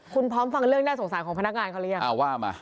คุณพร้อมฟังเรื่องน่าสงสารของพนักงานเขาหรือยังเอาว่ามา